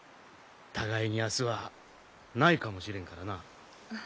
互いに明日はないかもしれんからな。